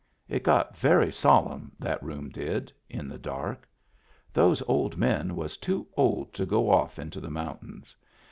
It got very solemn, that room did, in the dark. Those old men was too old to go off into the mountains.